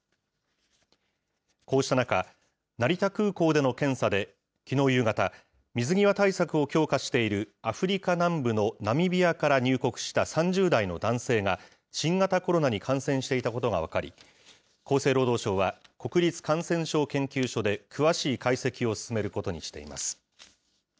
こうした中、成田空港での検査できのう夕方、水際対策を強化しているアフリカ南部のナミビアから入国した３０代の男性が、新型コロナに感染していたことが分かり、厚生労働省は国立感染症研究所で詳しい解析を進めることにしています。